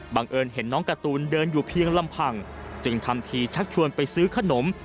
เอิญเห็นน้องการ์ตูนเดินอยู่เพียงลำพังจึงทำทีชักชวนไปซื้อขนม